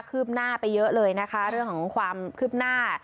ืบหน้าไปเยอะเลยนะคะเรื่องของความคืบหน้า